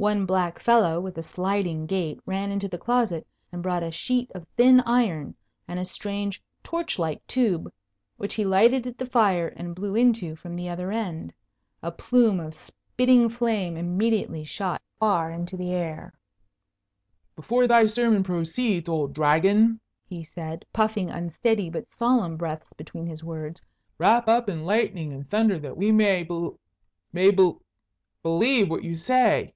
One black fellow with a sliding gait ran into the closet and brought a sheet of thin iron, and a strange torch like tube, which he lighted at the fire and blew into from the other end. A plume of spitting flame immediately shot far into the air. [Illustration: Hubert Looketh out of ye Window] "Before thy sermon proceeds, old Dragon," he said, puffing unsteady but solemn breaths between his words, "wrap up in lightning and thunder that we may be may be lieve what you say."